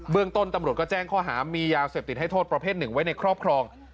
เรื่องต้นตำรวจก็แจ้งข้อหามียาเสพติดให้โทษประเภทหนึ่งไว้ในครอบครอง